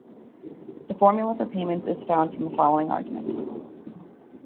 The formula for payments is found from the following argument.